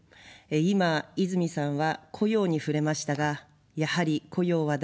今、泉さんは雇用に触れましたが、やはり雇用は大事ですね。